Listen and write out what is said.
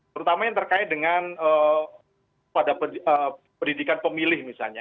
terutama yang terkait dengan pada pendidikan pemilih misalnya